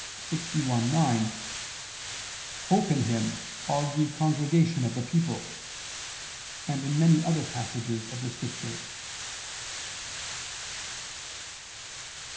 61:9: "Hope [Douay: 'Trust'] in Him all ye congregation of the people," and in many other passages of the Scriptures.